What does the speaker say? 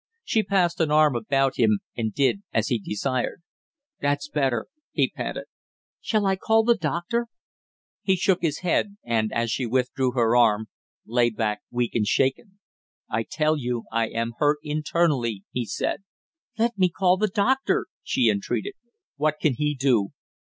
She passed an arm about him and did as he desired. "That's better " he panted. "Shall I call the doctor?" He shook his head and, as she withdrew her arm, lay back weak and shaken. "I tell you I am hurt internally!" he said. "Let me call the doctor!" she entreated. "What can he do?"